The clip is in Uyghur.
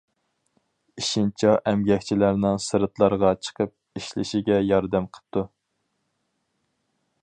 ئېشىنچا ئەمگەكچىلەرنىڭ سىرتلارغا چىقىپ ئىشلىشىگە ياردەم قىپتۇ.